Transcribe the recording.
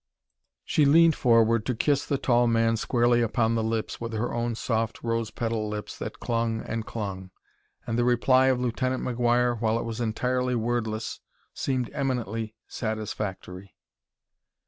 She leaned forward to kiss the tall man squarely upon the lips with her own soft rose petal lips that clung and clung ... and the reply of Lieutenant McGuire, while it was entirely wordless, seemed eminently satisfactory.